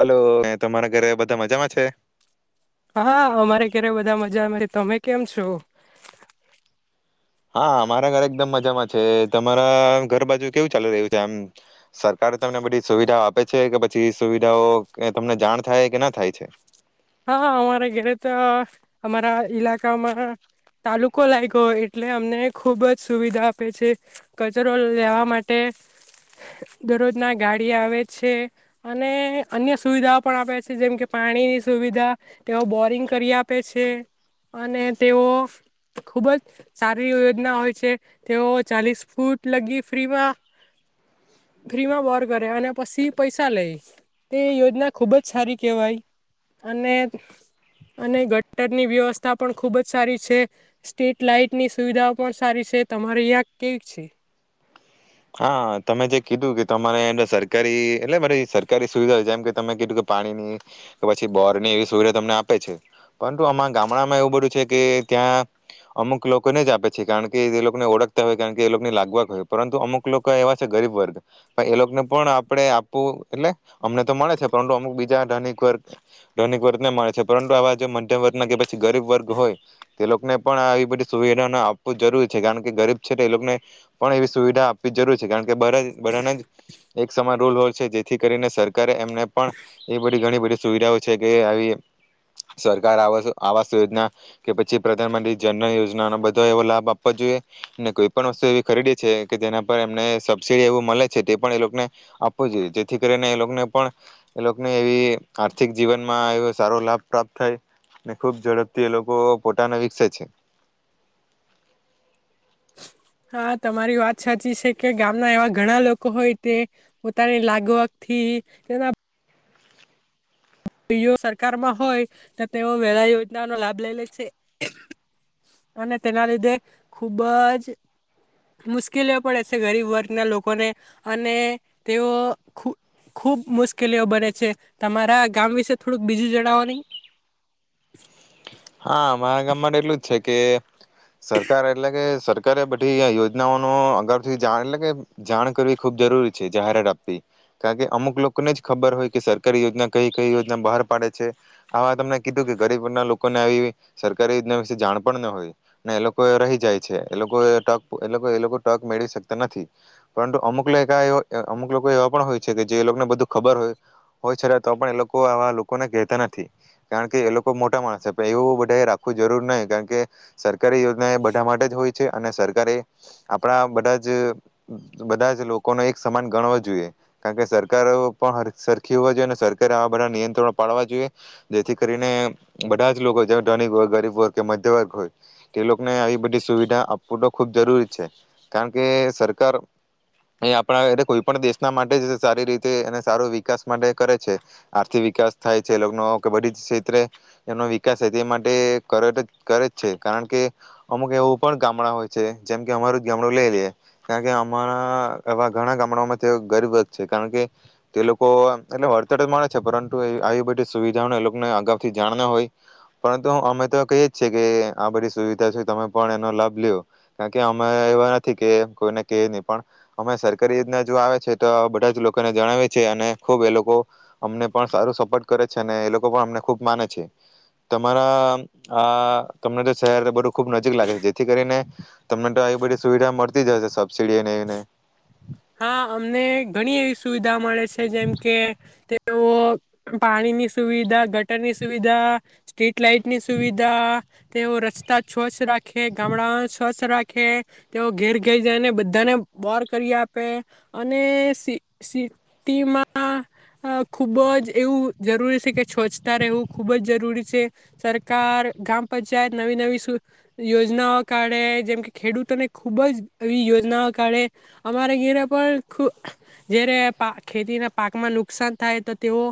Hello, ને તમારા ઘરે બધા મજામાં છે? હા અમારે ઘરે બધા મજા છે, તમે કેમ છો? હા અમારા ઘરે એકદમ મજામાં છે, તમારા ઘર બાજુ કેવું ચાલીુ રહ્યું છે આમ સરકાર તમને બધી સુવિધાઓ આપે છે, કે પછી સુવિધાઓ તમને જાણ થાય કે ના થાય છે? હા અમારા ઘરે તો અમારા ઈલાકામાં, તાલુકો લાગયો હોય એટલે અમને ખુબ જ સુવિધા આપે છે, કચરો લેવા માટે દરરોજ ના ગાડી આવે છે, અને અન્ય સુવિધાઓ પણ આપે છે જેમ કે પાણીની સુ સુવિધા તેઓ બોરિંગ કરી આપે છે, અને તેઓ ખુબ જ સારી યોજના હોય છે, તેઓ ચાલીસ ફૂટ લગી ફ્રીમાં ફ્રીમાં બોર કરે અને પછી પૈસા લે તે યોજના ખુબ જ સારી કેહેવાય. અને અને ગટરની વ્યવસ્થા પણ ખુબ જ સારી છે, સ્ટ્રીટ લાાઈટની સુવિધાઓ પણ સારી છે, તમારે અહીંયા કેવી છે? હા તમે જે કીધું કે, તમારે સરકારી એટલે મારે સરકારી સુવિધા જેમ કે તમે કીધું કે પાણીની કે પછી બોરની એવી સુવિધા તમને આપે છે, પરંતુ આમા ગામડામાં એવું બધું છે કે ત્યાં અમુક લોકોને જ આપે છે, કારણ કે એ લોકોને ઓળખતા હોય કારણ કે એ લોકોની લાગવગ હોય, પરંતુ અમુક લોકો એવા છે ગરીબ વર્ગ, પણ એ લોકોને પણ આપણે આપવું એટલે અમને તો મળે છે પરંતુ અમુક બીજા ધનિક વર્ગ ધનિક વર્ગને મળે છે, પરંતુ આવા મધ્યમ વર્ગ ના કે પછી ગરીબ વર્ગ હોય તો એ લોકોને પણ આવી બધી સુવિધા આપવું જરૂરી છે, કારણ કે ગરીબ છે તો એ લોકોને પણ એવી સુવિધા આપ જરૂરી છે કારણ કે બર બધાના જ એક સમાન રોલ હોલ છે જેથી કરીને સર કારે એમને પણ એ બધ ઘણી બધી સુવિધાઓ છે કે આવી સરકાર આ આવાસ યોજના, કે પછી પ્રધાનમંત્રી જનન યોજના, બધો એવો લાભ આપવો જોઈએ કોઈ પણ વસ્તુ એવી ખરીદી છે કે જેના એમને સબસીડી એવું મળે છે, તે પણ એ લોકોને આપવું જોઈએ જેથી કરીને એ લોકોને પણ એ લોકોને એવી આર્થિક જીવનમાં એ સારો લાભ પ્રાપ્ત થાય, ખુબ ઝડપથી એ લોકો પોતાને વિકસે છે. હા તમારી વાત સાચી છે, કે ગામના એવા ઘણા લોકો હોય તે પોતાની લાગવકથી તેના સરકારમાં હોય તો તેઓ વેલા યોજનાનો લાભ લઈ લે છે, અને તેના લીધે ખુબ જ મુશ્કેલીઓ પડે છે ગરીબ વર્ગના લોકોને અને તેઓ ખૂબ ખુબ મુશ્કેલીઓ બને છે, તમારા ગામ વિશે થોડુંક બીજુ જણાવો ની? હા મારા ગામ માટે એટલું જ છે કે સરકાર એટલે કે સર સરકારે બધી આ યોજનાઓ નો અગાઉથી જાણ એટલે કે જાણ કરવી ખૂબ જરૂરી છે જાહેરાત આપવી, કારણ કે અમુક લોકોને જ ખબર હોય કે સરકારી યોજના કઈ કઈ યોજના બહાર પાડે છે, આવા તમને કીધું કે ગરીબ વર્ગના લો આવી સરકારી યોજના વિશે જાણ પણ ના હોય ને એ લોકો રહી જાય છે એ લોકો એ એ લોકો તક મેળવી શકતા નથી પરંતુ અમુક લોકો અમુક લોકો એવા પણ હોય છે કે જે લોકોને બધું ખબર હોય હોય છે તો પણ એ લોકો આવા લોકોને કહેતા નથી કારણ કે એ લોકો મોટા માણસ છે એવું બધાએ રાખવું જરૂર નહી કારણ કે સરકારી યોજના એ બધા માટે જ હોય છે અને સરકારે આપણા બધા જ બધા જ લોકોને એક સમાન ગણવો જોઈએ કારણ કે સરકારો પણ હર સર કેવા જોઈએ ને સરકરે આ બધા નિયંત્રણો પાડવા જોઈએ જેથી કરીને બધા જ હોય જે ધનિક વર્ગ ગરીબ વર્ગ કે મધ્ય વર્ગ હોય તે લોકોને આવી બધી સુવિધા આપવું તો ખુબ જરૂરી કારણ કે સરકાર એ આપણા એટલે કોઈ પણ દેશના માટે જ સારી રીતે એ સારો વિકાસ માટે કરે છે આર્થિક વિકાસ થાય છેએ લોક નો કે બધી જ ક્ષેત્રે એનો તે માટે કરે તો કરે છે કારણ કે અમુક એવું પણ ગામડા હોય છે જેમ કે અમારું જ ગામડું લઈ લેએ કારણ કે અમારા એવા ઘણા ગામડાઓમાં જેવો ગરીબ વર્ગ છે કારણ કે તે લોકો એટલે વડતર તો મડે છે પરંતુ એ આવી બધી સુવિધાઓને એ લોકોને અગાઉથી જાણ ના હોય પરંતુ અમે તો કહીએ છીએ કે આ બધી સુવિધા છે તમે પણ એનો લાભ લેવો કારણ કે અમે એવા નથી કે કોઈને કેયે જ નહી પણ અમે સરકારી યોજના જો આવે છે તો બધા જ લોકોને જણાવે છે અને ખુબ એ લોકો અમને પણ સારું સપોર્ટ કરે છે અને એ લોકો પણ અમને ખૂબ માને છે તમારા આ તમને તો શહેર બધું ખુબ નજીક લાગે છે જેથી કરીને તમને તો આવી બધી સુવિધા મળતી જ હશે સબસીડી અને એને હા અમને ઘણી એવી સુવિધા મળે છે જેમ કે તેઓ પાણીની સુવિધા ગટરની સુવિધા સ્ટ્રીટ લાઈટની સુવિધા તેઓ રસ્તા સ્વચ્છ રાખે ગામડા સ્વચ્છ રાખે તેઓ ઘેર ઘઈ જાયને બધાને બોર કરી આપે આપે અને સ્િટીમાં ખૂબ જ એવું જરૂરી છે કે છોછતા રહેવું ખૂબ જ જરૂરી છે સરકાર ગ્રામ પંચાયત નવી નવી યોજનાઓ કાઢે જેમ કે ખેડૂતોને ખૂબ જ એવી યોજનાઓ કાઢે અમારે ઘીરે પણ ખૂ જ્યારે પા ખેતીના પાકમાં નુકસાન થાય તો તેઓ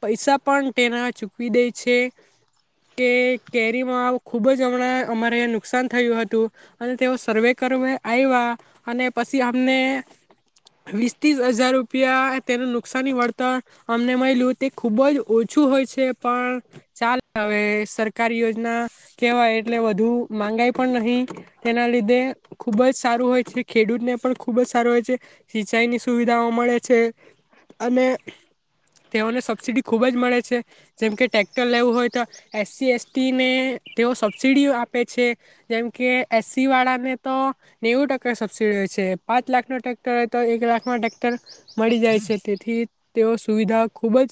પૈસા પણ તેના ચૂકવી દે છે કે કેરીમાં ખૂબ જ હમણાં અમારે નુકસાન થયું હતું અને તેઓ સર્વે કરવા આવ્યા અને પછી મને વીસ ત્રીસ હજાર રૂપિયા તેનું નુકસની વળતર અમને મળલ્યું તે ખુબ જ ઓછું હોય છે પણ ચાલ હવે સરકારી યોજના કેહેવાય એટલે વધુ માંગાય પણ નહી તેના લીધે ખુબ જ સારું હોય છે ખેડૂતને પણ ખૂબ જ સારો હોય છે સિંચાઈની સુવિધાઓ મળે છે અને તેઓને સબસીિડી ખૂબ જ મળે છે જેમકે ટટેક્ટર લેવું હોય તો એસસી એસટીને તેઓ સબસિડી આપે છે જેમકે એસસીવાળાને તો નેવું ટકા સબસિડી હોય છે પાંચ લાખ નો ટટેક્ટર હોય તો એક લાખમાં ટ્રેક્ટર મળી જાય છે તેથી તેઓ સુવિધા ખુબ જ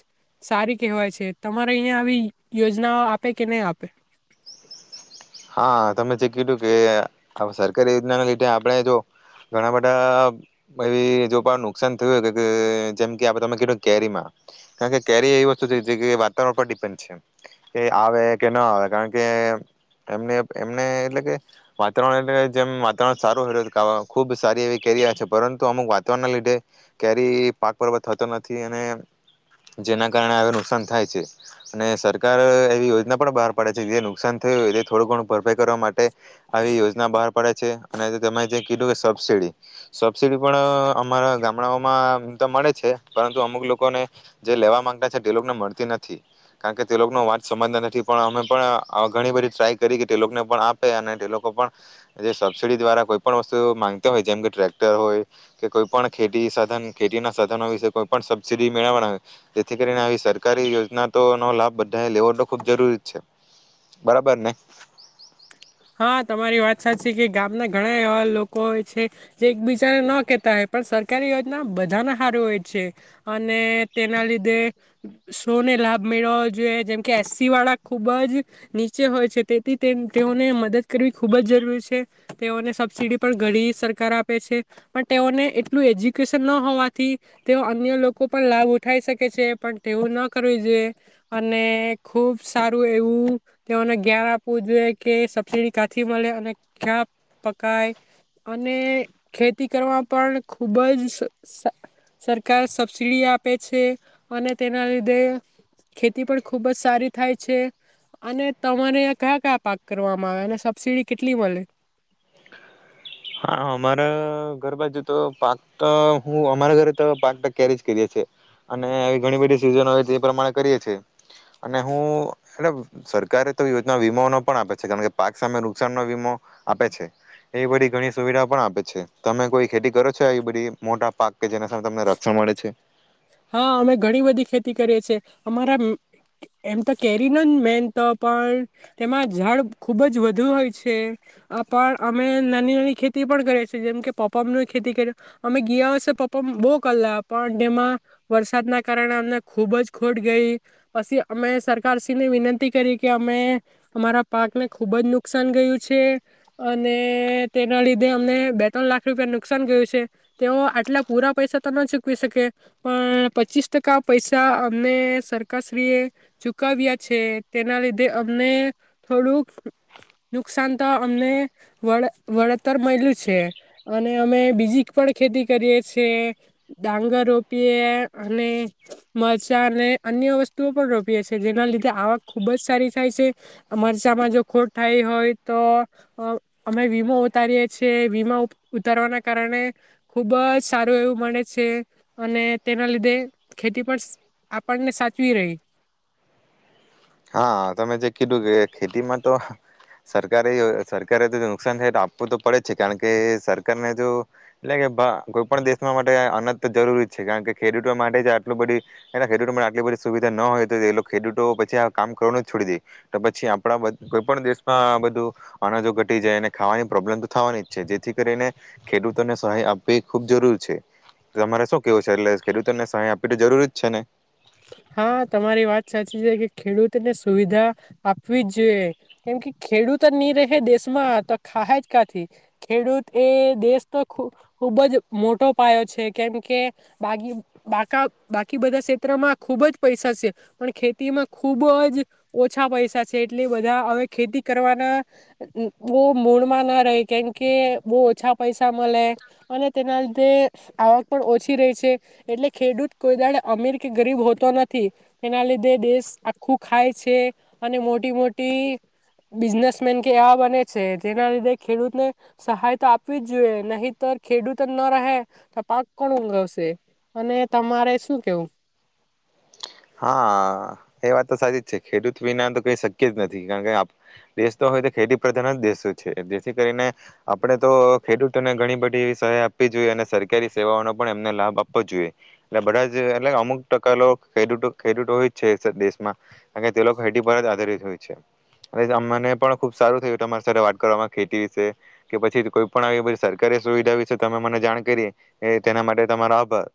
સારી કહેવાય છે તમારે અહિયાયા આવી યોજનાઓ આપે કે નહી આપે હા તમે જે કીધું કે સરકારી યોજનાના લીધે આપણે જો ઘણા બધા એવી જો પણ નુકસાન થયું કે જેમ કે આપ તમે કીધું કેરીમાં કારણ કે કેરી એવી વસ્તુ છે જે વાતાવરણ પર ડિપેન્ડ છે કે આવે કે ના આવે કારણ કે એ એમને એટલે કે વાતાવરણ એટલે જેમ વાતાવરણ સારું ખુબ સારી એવી કેરી આવે છે પરંતુ અમુક [unintelligible] લીધે કેરી પાક પર્વ થતો નથી અને જેના કારણે હવે નુકસાન થાય છે અને સરકાર એવી યોજના પણ બહાર પાડે છે જે નુકસાન થયું હોય થોડું ઘણું ભરપાઈ કરવા માટે આવી યોજના બહાર પડે છે અને તેમે જે કીધું કે સબસિડી સબસિડી પણ અમારા ગામડાઓમાંમ તો મળે છે પરંતુ અમુક લોકોને જે લેવા માંગતા છે તે લોકોને મળતી નથી કારણ કે તે લોકોનો વાત સમજતા નથી પણ અમે પણ ઘણી બધી ટ્રાય કરી તે લોકોને પણ આપે અને તે લોકો પણ જે સબસિડી દ્વારા કોઈ પણણ વસ્તુ માંગતા હોય જેમ કે ટ્રેક્ટર હોય કે કોઈ પણ ખેતી સાધન ખેતીના સાધનો વિશે કોઈ પણ સબસિડી મેળવવાના હોય જેથી કરીને આવી સરકારી યોજના તો નો લાભ બધાએ લેવો તો ખૂબ જરૂરી છે બરાબર ને હા તમારી વાત સાચી છે કે ગામના ઘણા એવા લોકો હોય છે જે એકબીજાને ન કેતા હોય પણ સરકારી યોજના બધાના સાર હોય છે અને તેના લીધે સોને લાભ મેળવો જોઈએ જેમ કે એસસી વાળા ખુબ જ નીચે હોય છે તેથી તેઓને મદદ કરવી ખૂબ જ જરૂરી છે તેઓને સબસિડી પણ ઘણી સરકાર આપે છે પણ તેઓને એટલું એજ્યુકેશન ન હોવાથી તેઓ અન્ય લોકો પણ લાભ ઉઠાઈ શકે છે પણ તેઓ ન કરવી જોઈએ અને ખૂબ સારું એવું તેઓને જ્ઞાન આપવું જોઈએ કે સ સબસિડી કાંથી મળે અને ક્યાં પકાય અને ખેતી કરવા પણ ખૂબ જ સરકાર સબસિડી આપે છે અને તેના લીધે ખેતી પણ ખૂબ જ સારી થાય છે અને તમારે કયા કયા પાક કરવા મા એને સબસીડી કેટલી મળે હા અમારા ઘર બા જોુ તો પાક હું અમારા ઘરે તો પાક કેરી જ કરીએ છેએ અને ઘણી બધી સિઝન હો એ પ્રમાણે કરીએ છીએ અને હું એટ સરકારે તો યોજના વીમો ન પણ આપે છે કારણ કે પાક સામે નુકસાન ન વીમો આપે છે એ બધી ઘણી સુવિધા પણ આપે છે તમે કોઈ ખેતી કરો છો એ બધી મોટા પાક કે જેના સામે તમને રક્ષણ મળે છે હા અમે ઘણી બધી ખેતી કરીએ છ છેીએ અમારા એમ તો કેરીનો મેન તો પણ તેમાં ઝાડ ખૂબ જ વધુ હોય છે પણ અમે નાની નાની ખેતી પણ કરીએ છીએ જેમ કે પપાની ખેતી કરી અમે ગયા હશે પ્પા બહુ કલા પણ તેમાં વરસાદના કારણે અમને ખૂબ જ ખોટ ગઈ પછી અમે સરકારશ્રીની વિનંતી કરી કે અમે અમારા પાકને ખુબ જ નુકસાન ગયું છે અને તેના લીધે અમને બે ત્રણ લાખ રૂપિયા નુકસાન ગયું છે તેઓ આટલા પૂરા પૈસા તો ન ચૂકવી શકે પણ પચીસ ટકા પૈસા અમને સરકારશ્રીએ ચુકવ્યા છે તેના લીધે અમને થોડુંક નુકસાન તો અમને વળતર મળ્યું છે અને અમે બીજી પણ ખેતી કરીએ છ છેએ ડાંગરો અને મરચાં અને અન્ય વસ્તુઓ પણ રોપીએ છીએ જેના લીધે આવક ખુબજ સારી થાય છે મરચામાં જો ખોટ થાય હોય તો અમે વીમો ઉતારીએ છીએ વીમા ઉતારવાના કારણે ખુબ જ સારું એવું મળે છે. અને તેના લીધે ખેતી પણ આપણને સાચવી રહી. હા તમે જે કીધું કે ખેતીમાં તો સરકારે સરકારે તો નુકસાન થાય તો આપવું તો પડે જ છે કારણ કે સરકારને જો એટલે કે કોઈ પણ દેશમાં માટે અનંત જરૂરી છે કારણ કે ખેડૂતો માટે જે આટલું બધું ખેડૂતો માટે આટલી બધી સુવિધા ન હોય તો એ લોકો ખેડૂતો પછી કામ કરવા ન છોડી દે તો પછી આપણા કોઈ પણ દેશમાં આ બધું અનાજો ઘટી જાય અને ખાવાની પ્રોબ્લેમ તો થવાની જ છે જેથી કરીને ખેડૂતોને સહાય આપવી ખૂબ જરૂર છે. તમારે શું કેવું છે એટલે ખેડૂતોને સહાય આપવી તો જરૂર જ છે ને? હા તમારી વાત સાચી છે કે ખેડૂતને સુવિધા આપવી જ જોઈએ કેમ કે ખેડૂત નની રહે દેશમાં તો ખાાય જ કાથી ખેડૂત એ દેશ તો ખૂબ જ મોટો પાયો છે કેમ કે બાકી બધા ક્ષેત્રમાં ખૂબ જ પૈસા છે પણ ખેતીમાં ખૂબ જ ઓછા પૈસા છે એટલે બધા હવે ખેતી કરવાના બહ મૂળમાં ના રહે કેમ કે બહુ ઓછા પૈસા મળે અને તેના લીધે આવક પણ ઓછી રહી છે એટલે ખેડૂત કોઈ દાડ અમીર કે ગરીબ હો નથી તેના લીધે દેશ આખું ખાય છે અને મોટી મોટી બિઝનેસમેન કે એવા બને છે જેના લીધે ખેડૂતને સહાય તો આપવી જ જોઈએ નહીતર ખેડૂત જ ન રહે તો પાક કોણ ઊઘવશે, અને તમારે શું કેવું? હા એ વાત તો સાચી જ છે ખેડૂત વિના તો કઈ શક્ય જ નથી કારણ કે દેશ તો હોય તો ખેતી પ્રધાન જ દેશો છે જેથી કરીને આપણે તો ખેડૂતોને ઘણી બધી એવી સહાય આપવી જોઈએ અને સરકારી સેવાઓનો પણ એમને લાભ આપવો જોઈએ એટલે બધા જ એટલે અમુક ટકા ખેડૂતો ખેડૂતો હોય જ છે દેશમાં કાર તે લોકો ખેતી પર જ આધારિત હોય છે અને મને પણ ખુબ સારું થયું તમારી સાથે વાત કરવામાં ખેતી વિશે કે પછી કોઈ પણ આવી સરકારી સુવિધા વિશે તમે મને જાણ કરી તેના માટે તમારો આભાર.